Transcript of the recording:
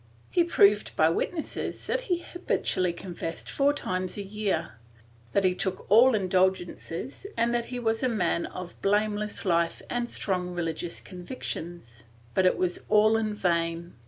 He proved by witnesses that he habitually confessed four times a year, that he took all indulgences and that he was a man of blameless life and strong religious convictions, but it was all in vain.